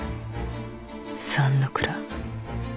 三の蔵。